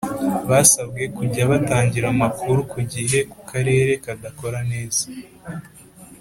Basabwe kujya batangira amakuru ku gihe ku karere kadakora neza